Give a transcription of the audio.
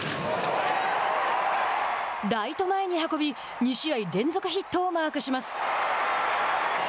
ライト前に運び２試合連続ヒットをマークします。